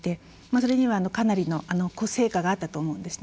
それにはかなりの成果があったと思うんです。